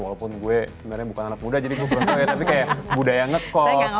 walaupun gue sebenarnya bukan anak muda jadi gue beruntung ya tapi kayak budaya ngekos